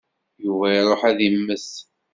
Yuba iṛuḥ ad immet.